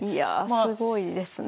すごいですね。